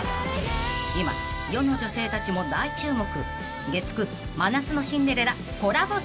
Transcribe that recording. ［今世の女性たちも大注目］